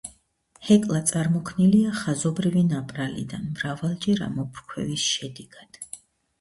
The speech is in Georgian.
ჰეკლა წარმოქმნილია ხაზობრივი ნაპრალიდან მრავალჯერ ამოფრქვევის შედეგად.